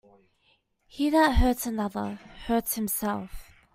He that hurts another, hurts himself.